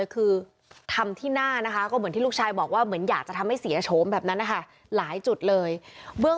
เพราะทุกคนเห็นว่ารักเมียมาก